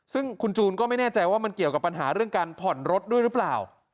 ซึ่งคุณจูนก็ไม่แน่ใจว่ามันเกี่ยวกับปัญหาเรื่องการผ่อนรถด้วยหรือเปล่า